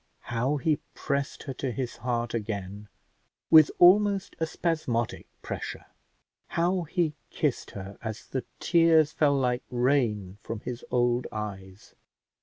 How he pressed her to his heart again with almost a spasmodic pressure! How he kissed her as the tears fell like rain from his old eyes!